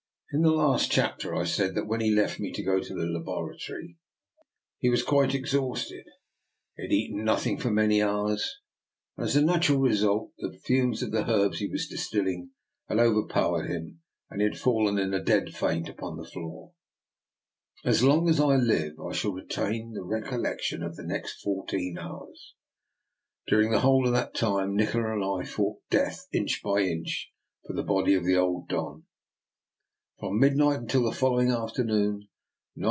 In the last chapter I said that when he left me to go to the laboratory, 199 200 DR NIKOLA'S EXPERIMENT. he was quite exhausted; he had eaten noth ing for many hours, and as a natural result the fumes of the herbs he was distilHng had over powered him and he had fallen in a dead faint upon the floor. As long as I live I shall retain the recollec tion of the next fourteen hours. During the whole of that time Nikola and I fought death inch by inch for the body of the old Don.